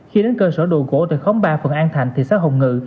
khi đến cơ sở đồ gỗ tại khóm ba phường an thành thị xã hồng ngự